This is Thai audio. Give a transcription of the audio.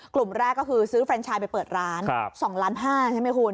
กลุ่มแรกก็คือซื้อเฟรนชายไปเปิดร้าน๒ล้าน๕ใช่ไหมคุณ